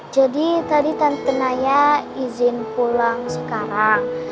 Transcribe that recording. jadi tadi tante naya izin pulang sekarang